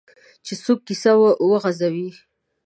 چې څوک کیسه وغځوي.